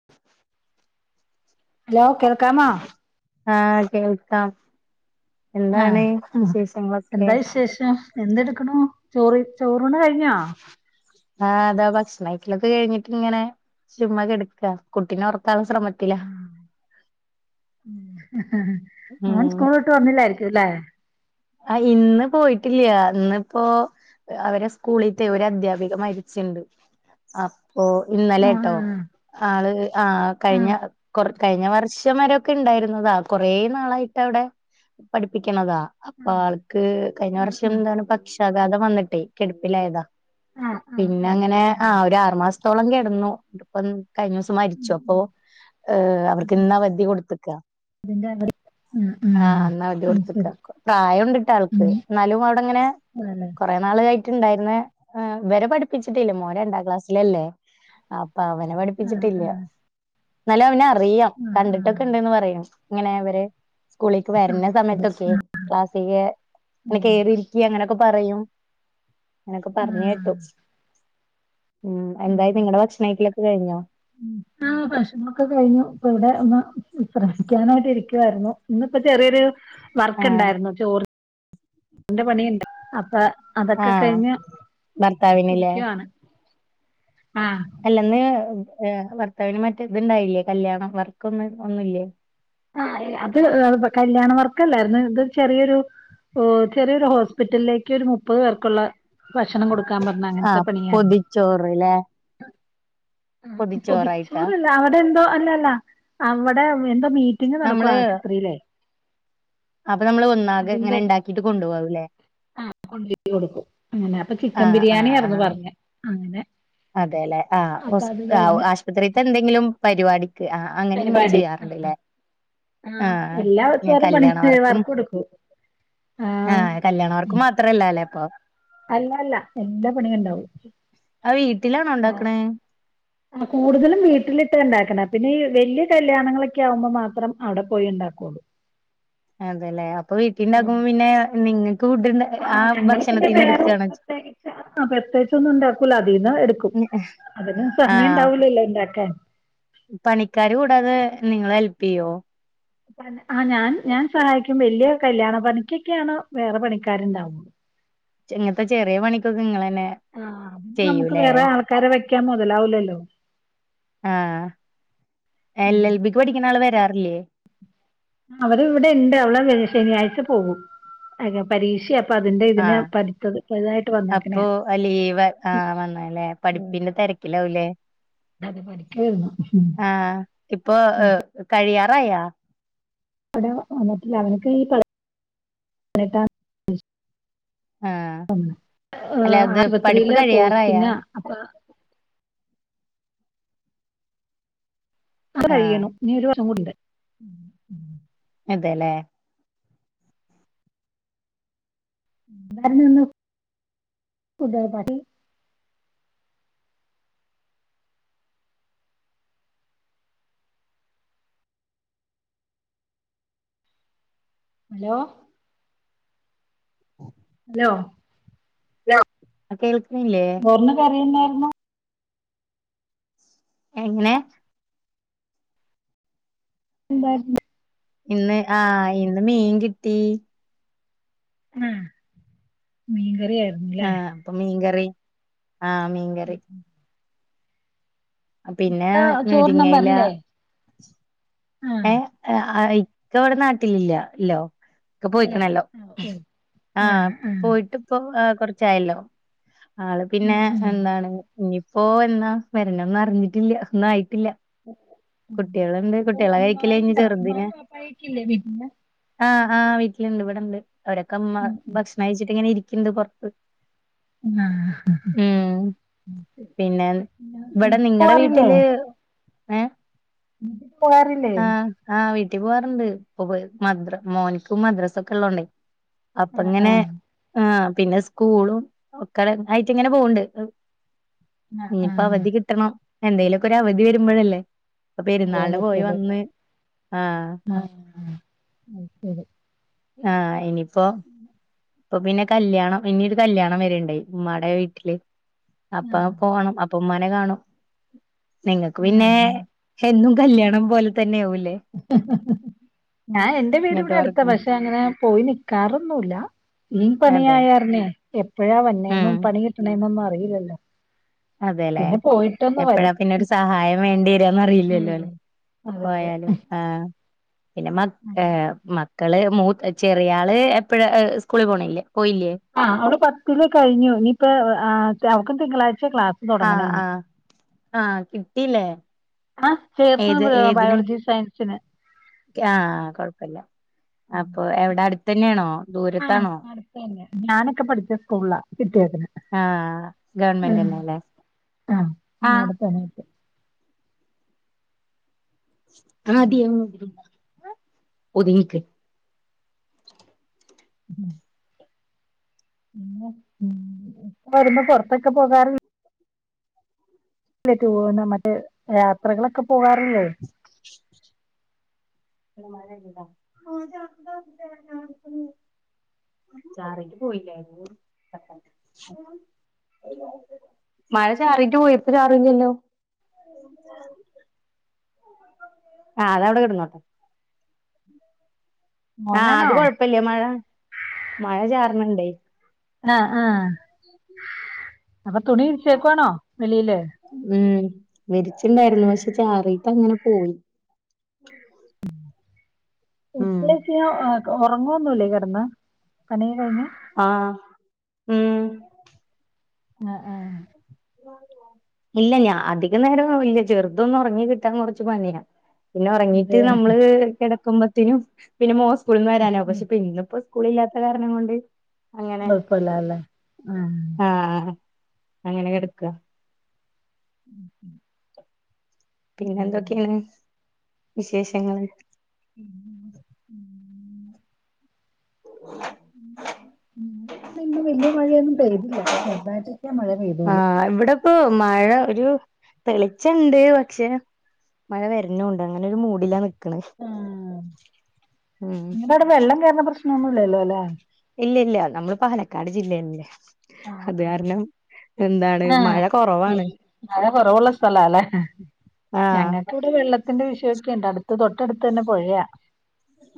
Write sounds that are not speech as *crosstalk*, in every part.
*inaudible* Hello കേൾക്കാമോ? ആഹ് കേൾക്കാം, ആഹ് എന്താണ് ആഹ് വിശേഷങ്ങളൊക്കെ? *unintelligible* എന്തെടുക്കണു ചോറ്, ചോറൂണ് കഴിഞ്ഞോ? ആഹ് ഇതാ ഭക്ഷണ- കഴിക്കലൊക്കെ കഴിഞ്ഞിട്ട്- ഇങ്ങനെ, ചുമ്മാ കിടക്ക, കുട്ടിനെ ഉറങ്ങാൻള്ള ശ്രമ. അവൻ ഉം സ്കൂള് വിട്ട്- വന്നില്ലായിരിക്കുംലേ? ആഹാ ഇന്ന് പോയിട്ടില്ല, ഇന്നിപ്പോ- അവരെ സ്കൂളിത്തെ ഒരു- അദ്ധ്യാപിക മരിച്ചുണ്ട്. അപ്പോ ഇന്നലെ ട്ടോ, ആഹ് ആള് ആഹാ കഴിഞ്ഞ ആഹ് കൊറ- കഴിഞ്ഞ വർഷം വരൊക്കെ ഉണ്ടായിരുന്നതാ, കൊറെ- നാളായിട്ട് അവിടെ പഠിപ്പിക്കണതാ. അപ്പോ ആൾക്ക് കഴിഞ്ഞ വർഷം, എന്ത പക്ഷാഘാതം വന്നിട്ടേ, കെടുപ്പിലായതാ. ആഹ് പിന്നെ ആഹ് അങ്ങനെ ആഹാ ഒരു ആറു മാസത്തോളം കിടന്നു, ഇപ്പ കഴിഞ്ഞ- മരിച്ചു അപ്പോ അവർക്ക് ഇന്നാ അവധി കൊടുത്തക്ക. അതിന്റെ അവര് ഉം ആഹ് ഇന്നവധി ഉം അപ്പൊ അതിന്റെ അവധി ആഹ് ആഹ് അത് കൊടുത്ത്ക്ക. ശരി പ്രായം ഉണ്ടിട്ടാ ഉം ആൾക്ക് എന്നാലും, അവിടെങ്ങനെ. ആല്ലേ കുറെേ നാൾ ആയിട്ടുണ്ടായിര്ന്ന്. ഇവരെ പഠിപ്പിച്ചിട്ടില്ല, മോൻ രണ്ടാം ക്ലാസ്സിലല്ലേ. അപ്പോ അവനെ ആഹ് പഠിപ്പിച്ചിട്ടില്ല. ആഹ് എന്നാലും അവനെ അറിയാം, ആഹ് കണ്ടിട്ടൊക്കെ ആഹ് ഉണ്ടന്ന് പറയണ്. ഇങ്ങനെ അവര് സ്കൂളേക്ക് ആഹ് വരുന്ന ശരി സമയത്തൊക്കെ. ക്ലാസ്സിക് അങ്ങനെ ആഹ് കയറി ഇരിക്കി അങ്ങനെയൊക്കെ പറയും. ങ്ങനൊക്കെ പറഞ്ഞ് ആഹ് കേട്ടു ഉം, എന്തായി നിങ്ങളടെ ഭക്ഷണം- ക്കഴിക്കലൊക്കെ കഴിഞ്ഞോ? ഉം. *inaudible* ആ ഭക്ഷണൊക്കെ കഴിഞ്ഞു ഇപ്പ ഇവിടെ ഒന്ന്- വിശ്രമിക്കാനായിട്ട് ഇരിക്കുവായിരുന്നു, ഇന്നിപ്പോ ചെറിയൊരു- വർക്ക് ആഹ് ഉണ്ടായിരുന്നു, ചോറ്ന്റെ പണിയുണ്ട് അപ്പോ - അതൊക്കെ ആഹ് കഴിഞ്ഞ് ഭർത്താവിനില്ലേ ഇരിക്കുവാണ്. ആഹാ.. അല്ലെന്ന് ഭർത്താവിന് മറ്റേ- ഇതുണ്ടായില്ലേ? കല്യാണ വർക്കൊന്നും ഒന്നുമില്ലേ? ആഹാ അത് കല്യാണ വർക്കല്ലായിരുന്നു, ഇത് ചെറിയൊരു- ഓ ചെറിയൊരു ഹോസ്പിറ്റലിലേക്ക്, ഒരു മുപ്പത് പേർക്കുള്ള- ഭക്ഷണം കൊടുക്കാൻ പറഞ്ഞു, അങ്ങനതെ ആഹ് പണിയായിരുന്നു. പൊതിച്ചോറ്ല്ലേ? ആഹ് പൊതിച്ചോറായിട്ടാ പൊതിച്ചോറല്ല. അവിടെ എന്തോ അല്ല, അല്ല, അവിടെ എന്തോ മീറ്റിംഗ നടക്കും ആശുപത്രിയിലേ. അപ്പോ നമ്മള് ഒന്നാകെ ഇങ്ങനെ- ഉണ്ടാക്കിട്ട് കൊണ്ടു പോകലാവില്ലേ. കൊണ്ടോയി കൊടുക്കും അങ്ങനെ അപ്പൊ ചിക്കൻ ആഹ് ബിരിയാണി യാർന്നു പറഞ്ഞേ അതെല്ലേ ആഹ് *unintelligible* പൊരേത്തേ എന്തെങ്കിലും പരിപാടിക്ക് ആ അങ്ങനെ ഇങ്ങൾ പരിപാടി ചെയ്യാറുണ്ട്ല്ലേ ആഹ് എല്ലാ ദിവസവും പണി ഞാൻകല്യാണ വർക്കും വർക്ക് കൊടുക്കും ആഹ് കല്യാണവർക്ക് മാത്രല്ല അല്ലേ അപ്പൊ അല്ല അല്ല എല്ലാ പണികളും ഉണ്ടാവും അവ് വീട്ടിലാണോ ഉണ്ടാക്കണേ ആ കൂടുതലും വീട്ടിലിട്ട് ഉണ്ടാക്കണ പിന്നെ ഈ വലിയ കല്യാണങ്ങളൊക്കെ ആകുമ്പോ മാത്രം അവിടെ പോയി ഉണ്ടാക്കുള്ളൂ. അതെല്ലേ അപ്പൊ വീട്ടിൽുണ്ടകുമ്പോ പിന്നെ നിങ്ങക്ക് ഫുഡ് ആ ഭക്ഷണത്തിൽന്ന് എടുക്കുകാണ് ഇല്ല പ്രത്യേകിച്ച ഒന്നും ഉണ്ടാക്കൂല അതിൽന്ന് എടുക്കും അതിന് സമയം ആഹ് ഉണ്ടാവൂലല്ലോ ഉണ്ടാക്കാൻ പണിക്കാര് കൂടാതെ നിങ്ങള് ഹെല്പ് ചെയ്യോ ആഹ് ഞാൻ ഞാൻ സഹായിക്കും വലിയ കല്യാണം പണിക്കൊക്കെയാണ് വേറെ പണിക്കാാരണ്ടാവ ഇങ്ങനത്തെ ചെറിയ പണിക്കൊക്കെ നിങ്ങന്നെ ചെയ്യൂല്ലേ ആൾ ക്കാരെ വയ്ക്കാൻ മുതലാവൂ ലല്ലോ ആഹ് എല്ലൽബിക്ക് പഠിക്കുന്ന ആള് വരാറില്ലേ അവര് ഇവിടെണ്ട് അവൾ ശനിയാഴ്ച പോകും പരീക്ഷ ആഹ് അപ്പൊ വന്നേക്കണയാ ലീവ് ആഹ വന്നല്ലേ ഉം. പഠിപ്പിന്റെ തിരക്ക ഡാവല്ലേ അത് പഠിക്കുമായിരുന്നു ആഹ് ഇപ്പൊ കഴിയാറായോ അവിടെ വന്നിട്ടില്ല അവനക്ക് ഈ *unintelligible* ആഹ് അല്ല ആഹ് അത് പഠിപ്പ് ആശുപത്രിയിലെ പോസ്റ്റിംഗ കഴിയാറായാ അപ്പൊ അത് ആഹ് കഴിയണം ഇനി ഒരു വർഷം കൂടെ ണ്ട് അതെല്ലേ *unintelligible* ഹലോ ആഹ് ഹലോ ഹലോ കേൾക്കുന്നില്ലേ ഇന്ന് കരയന്നായിരുന്നു എങ്ങനെ *unintelligible* ഇന്ന് ആഹ് ഇന്ന് മീൻ കിട്ടി ആഹ് മീൻ കറിയായോ ആഹ് അപ്പൊ മീൻകറി ആഹ മീൻകറി പിന്നെ ആ, ചോറ് മുരിങ്ങ ഇല നമ്പറല്ലേ ആ ഏഹ് ഇക്ക ഇവിടെ നാട്ടിലില്ലല്ലോ ഇക്ക ഇല്ലേ? പോയിക്കണല്ലോ ആ ഓ. ആ ആഹ ആ പോയിട്ട് ഇപ്പം കുറച്ചായല്ലോ ആള് ഉം, പിന്നെ ഉം, എന്താണ് ഇനിയിപ്പോ എന്നാ വരണന്നും അറിഞ്ഞിട്ടില്ല ഒന്നും ആയിട്ടില്ല കുട്ടികളുണ്ട് *unintelligible* കുട്ടികളെ കഴിക്കല് ഉമ്മയും കഴിഞ്ഞ് ചെറുതിനെ ബാപ്പയും ഒക്കെ ഇല്ലേ വീട്ടിൽ ആഹ് ആഹ് വീട്ടിലുണ്ട് ഇവിടെണ്ട് അവരൊക്കെ അമ്മ ഉം. ഭക്ഷണം കഴിച്ചിട്ട് ഇങ്ങനെ ഇരിക്കണ്ട് പുറത്ത് ആഹ് ആഹ് ഉം പിന്നെ വീട്ടി ഇവിടെ നിങ്ങളടെ പോവാറില്ലേ വീട്ടില് ഏഹ് പോകാറില്ലേ ആഹ് വീട്ടിൽ പോവാറുണ്ട് ഇപ്പൊ മോനിക്കും മദ്രാസും ഒക്കെ ഉള്ളതോണ്ടേ ആഹ് അപ്പങ്ങനെ ആഹ് ആഹ് പിന്നെ സ്കൂളും ഒക്കടെ ആയിട്ട് ഇങ്ങനെ പോണ്ട്. ആഹ് ഇഞ്ഞിപ്പ ആഹ് അവധി കിട്ടണം എന്തേലൊക്കെ ഒരവധി വെരുമ്പഴല്ലേ പ്പ പോവാൻ പെരുന്നാൾന് പോയി വ പറ്റൂലല്ലോ ആഹ് അയ്ശെരി ആഹ് ഇനിപ്പോ ഇപ്പൊ പിന്നെ കല്ല്യാണം ഇനിയൊരു കല്ല്യാണം വെര്ണ്ടേയ് ഉമ്മാടെ വീട്ടില് അപ്പാം ആഹ് പോണം അപ്പൊ ഉമ്മാനെ കാണും. നിങ്ങക്ക് പിന്നേ ആഹ് എന്നും കല്ല്യാണം പോലെ തെന്ന്യെവുല്ലേ ആ ഞാൻ എന്റെ വീട് ഇവിടെ ഇങ്ങനത്തെ അടുത്ത വർക്ക് പക്ഷേ പോയി നിക്കാറൊന്നൂല്ലാ, ഈ അതെ പണിയായാര്ണെ എപ്പഴാ ഉം വര്ണേന്നും പണി കിട്ട്ണെന്നൊന്നും അറിയില്ലല്ലോ അതെല്ലേ, പിന്നെ പോയിട്ടൊന്ന് എപ്പഴാ വരും പിന്നെ ഒരു സഹായം വേണ്ടി രാന്ന് അറിയില്ല്യല്ലോ ല്ലെ. ഉം അതെ അതെ പോയാലും ആഹ്. പിന്നെ മക് ഏഹ് മക്കള് മൂത്ത് ചെറിയാള് എപ്പഴ അ് സ്കൂള് പോണെല്ലേ പോയില്ല്യേ. ആഹ് അവള് പത്തില് കഴിഞ്ഞു. ഇനിയിപ്പാ ആഹ് തെ അവക്കും തിങ്കളാഴ്ച്ചെ ക്ലാസ് ആഹ് തൊടങ്ങണേനി. ആഹ് ആഹ് കിട്ടില്ലേ ആഹ് ചേർന്ന് ഏത് ബ് ബയോളജി സയൻസിന് ക്യാഹ് കൊഴപ്പല്ല. അപ്പൊ എവടെ അട്ത്ത ന്ന്യാണോ ദൂരത്താണോ പിന്നെ, ഞാനൊക്കെ പഠിച്ച സ്കൂൾളാ കിട്ടിയത് ആഹ് ഗവൺമെന്റ്ന്നല്ലേ ആഹ് ആഹ് *unintelligible* ആദ്യം ഒതുങ്ങിക്ക് ഉം *unintelligible* വെറുമ്പോ പൊർത്തൊക്കെ പോകാറ് *unintelligible* യാത്രകളൊക്കെ പോകാറില്ലേ *unintelligible* മഴയ്യ്ണ്ടാ ചാറീട്ട് പോയില്ലേ *unintelligible* മഴ ചാറീട്ട് പോയി ഇപ്പ ചാറില്ല്യല്ലോ ആ ആഹ് അതവടെ കെടന്നോട്ടെ ആഹ് അത് മോനാണോ കൊഴപ്പല്ല്യ. മഴ മഴ ചാറ്ണ് ണ്ടേയ് ആഹ് ആഹ് അപ്പൊ തുണി വി ച്ചേക്കുവാണോ വെളിയില് ഉം വിര്ച്ചിണ്ടായിരുന്നു പക്ഷെ ചാറീട്ട ങ്ങനെ പോയി ഉം *unintelligible* ഒക് ഒറങ്ങൊന്നുല്ലേ കെടന്ന് പണി കഴിഞ്ഞ് ആഹ് ഉം ആഹ് ആഹ് ഇല്ല ഞാ അധിക നേരം ഇല്ല ചെറുതൊന്ന് ഒറങ്ങി കിട്ടാൻ കൊർച്ച് പണിയാ പിന്നെ ഒറങ്ങീട്ട് അതെ നമ്മള് കെടക്കുമ്പത്തിനും പിന്നെ മോൻ സ്കൂൾ ന്ന് വരാനാവും പക്ഷെ പിന്ന പ്പോ സ്‌ക്കൂളില്ലാത്ത കാരണം കൊണ്ട് അങ്ങനെ കുഴപ്പമില്ലാല്ലേ ആഹ് ആഹ് അങ്ങനെ കെടക്കാ ഉം ഉം പിന്നെന്തൊക്കെണ് വിശേഷങ്ങള് ഉം ഉം ഉം ഉം *unintelligible* വിടെ ഇന്നും വെല്ല്യ മഴയൊന്നും പെയ്തില്ല ചെറുതായിട്ടൊക്കെ മഴ പെയ്തോള്ളൂ ഇപ്പൊ മഴ ഒരു തെളിച്ചണ്ട് പക്ഷെ മഴ വരുന്നുണ്ട് അങ്ങനൊരു മൂടിലാ നിക്കണ് ഉം നിങ്ങടെ അവിടെ വെള്ളം കേർണ പ്രശ്നൊന്നും ഇല്ല ല്ലോ അല്ലേ. ഇല്ല ഇല്ല നമ്മള് പാലക്കാട് ജില്ല ല്ലേ ആഹ് അത് ആഹ് കാരണം. എന്താണ് മഴ ആഹ് കുറവാണ് മഴ കൊറവുള്ള സ്ഥല ആലേ ആഹ് ഞങ്ങൾക്ക്. കൂടെ വെള്ളത്തിന്റെ വിഷയൊക്കെണ്ട് അടുത്ത് തൊട്ടടുത്ത് ന്നെ പുഴയാ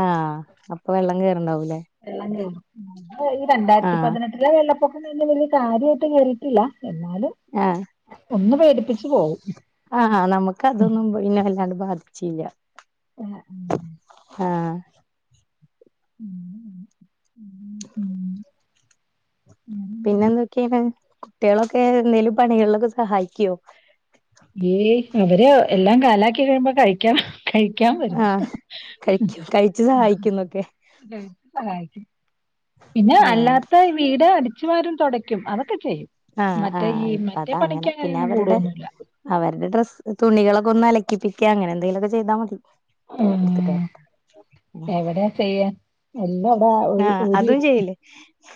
ആഹ് അപ്പൊ വെള്ളം കേറ്ണ്ടാവൂല്ലേ എ ഈ രണ്ടായിരത്തി ആഹ് പതിനെട്ട്. എല്ല വെള്ളപ്പൊക്കംന്നും വലിയ കാര്യയിട്ടും കെറിട്ടില്ല എന്നാലും. ആഹ് ഒന്ന് പേടിപ്പിച്ച് പോവും. ആഹ നമുക്ക് അതൊന്നും പിന്നെ വല്ലാണ്ട് ബാധിച്ചില്ല. ആഹ ഉം ആഹ് ഉ ഉം ഉം ഉ ഉം പിന്നെ എന്തൊക്കെയാണ് കുട്ടികളൊക്കെ എന്തേലും പണികളിലൊക്കെ സഹായിക്കുവോ. എയ് അവര് എല്ലാം കാലാക്കി കരുമ്പോ കഴിക്കാം. കഴ കൻരും ആഹ് കഴിക്കും കഴിച്ചു അ സഹായിക്കുന്നൊക്കെ അതായിരിക്കും കാര്യം. പിന്നെ ആഹ് അല്ലാത്ത ഈ വീട് അടിച്ചു വാരും തുടയ്ക്കും അതൊക്കെ ചെയ്യും. ആഹ് മറ്റേ ആഹ് ഈ ഇപ്പ അത മറ്റേ അങ്ങനെ പിന്നെ പണിക്കങ്ങനൊന്നും അവരുടെ കൂടൊന്നുല്ല. അവരുടെ ഡ്രസ്സ് തുണികളൊക്കെ ഒന്ന് അലക്കിപ്പിക്ക. അങ്ങനെ എന്തെങ്കിലുമൊക്കെ ചെയ്താൽ മതി. ആ എടുത്തിട്ട് വരട്ടെ എവിടെയാ ചെയ്യ. ആഹ് അതും ചെയ്ല്ലേ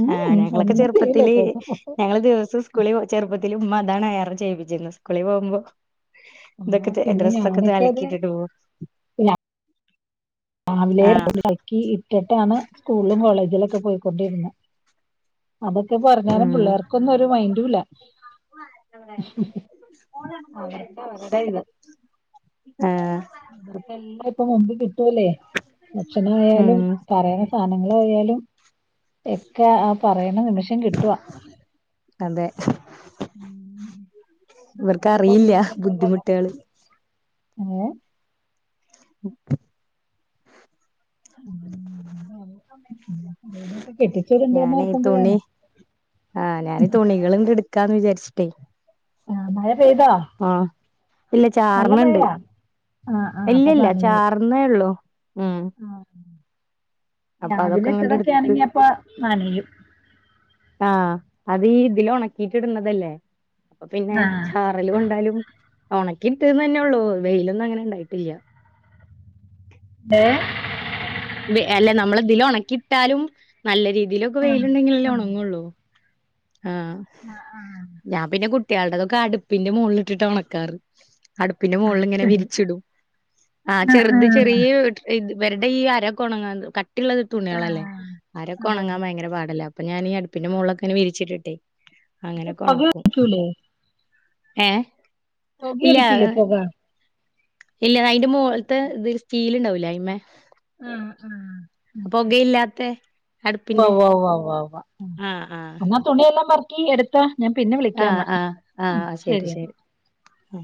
ഉം ആഹ ഉം ഞങ്ങളൊക്കെ ഒന്നും ചെയ്യില്ല ചെറുപ്പത്തില് ഇപ്പഴൊക്കെ. ഞങ്ങള് ദിവസം. കുളി ചെറുപ്പത്തില് ഉമ്മ അതാണ് യാറെ ചെയ്യിപ്പിക്കുന്നത് കുളി പോകുമ്പോ ആ ഇതൊക്കെ പിന്നെ അഡ്രസ്സ് ഒക്കെ ഞാനൊക്കെ അത് അലക്കിട്ടിടുപോ രാവിലെ ആഹ് എക്കി ഇറ്റിട്ടാണ് സ്കൂളും കോളേജിലൊക്കെ പോയിക്കൊണ്ടിരുന്നത്. അതൊക്കെ പറഞ്ഞാലും ഉം പിള്ളേർക്കൊന്നും ഒരു മൈൻറും ഇല്ല. അവർക്ക് അവരുടെ *unintelligible* ആഹ് ഇർക്ക എല്ലാം ഇപ്പൊ മുുമ്പ് കിട്ടൂല്ലേ ഭക്ഷണയാലും. ഉം പറയാന സാധനങ്ങള ആയാലും എക്കെ ആ പറയണ നിമിഷം കിട്ടുവ. അതെ ഉം നമ്മളൊക്കെ ഇവർക്കറിയില്ല ബുദ്ധിമുട്ടൊകള്. ഏ ഉം ഉം *unintelligible* ഇവരെയൊക്കെ കെട്ടിച്ചു വിടണ്ടേന്ന് ഞൻ തുണി. ഓർക്കുമ്പഴാണ്. ആഹ് ഞാന്ഇ തുണികള് എടുക്കാന്ന് വിചാച്ചിട്ടേ. ആഹ മഴ പെയ്താ ആ ഇല്ല ചാർന്ന്ണ്ട്. ആ ആ അപ്പൊ ഇല്ലല്ല നനയും. ചാർന്നേ ഉള്ളൂ ഉം. ആ അപ്പൊ അതൊക്കെ രാവിലെ അങ്ങട്ട് ഇട്ടതൊക്കെ എടുത്ത് ആണെങ്കി അപ്പ നനും ആഹ അത് ഇതില്. ഉണക്കിട്ടിടുന്നതല്ലേ അപ്പൊ പിന്നെ ആ കല കൊണ്ടാലും ഉണക്കി ഇട്ടന്ന് തന്നെ ഉള്ളൂ വെയിലൊന്നും അങ്ങനെ ഉണ്ടായിട്ടില്ല ഹലോ? അല്ല നമ്മളതിലാ ഉണക്കിയിട്ടാലും നല്ല രീതിയിലൊക്കെ ആ വെയിലുണ്ടെങ്കില ആ അല്ലേ ഉണങ്ങുള്ളൂ. ആഹ് ആഹ് ആഹാ ഞാൻ പിന്നെ കുട്ടികളുടെ അതൊക്കെ അടുപ്പിന്റെ മുകളില ഇട്ട് ഉണക്കാറ്. അടുപ്പിന്റെ ആ ആ മുകളിൽ ഇങ്ങനെ ശരി. വിരിച്ചിടും ആ ചെറുത് ചെറിയ ഇത് ഇവരുടെ ഈ അരൊക്കെ ഉണങ്ങാൻ കട്ടിയുള്ളത് ആ തുണികളല്ലേ അരൊക്കെ അതെ. ഉണങ്ങാൻ ഭയങ്കര പാടല്ലേ അപ്പൊ ഞാൻ ഈ അടുപ്പിന്റെ മുകളൊക്കെനെ വിരിച്ചിട്ടിട്ടെ ഇപ്പൊ അങ്ങനൊക്കെ ഉണക്കും പുകയടിക്കൂലേ? ഏ പൊക അടിക്കില്ലേ പൊക ഇല്ല അതിന്റെ മോളിത്തെ ഇത് സ്റ്റീല് ഉണ്ടാവില്ല അതിമേ ആഹ് ആഹ് പൊകയില്ലാത്തെ ഉവ്വ അടുപ്പിന്റെ വ്വ വ്വ ആഹ് ആഹ് എന്നാ തുണിയെല്ലാം പെറക്കി എടുക്ക് ഞാൻ പിന്നെ വിളിക്കാം ആഹ് എന്നാ ആഹ് ഉം ആഹ് ശരി ശരിയന്നാ ശരി ആ